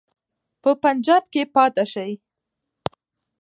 په پنجاب کې پاته شي.